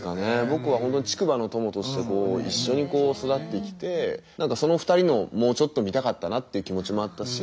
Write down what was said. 僕は本当に竹馬の友として一緒に育ってきてその２人のもうちょっと見たかったなっていう気持ちもあったし。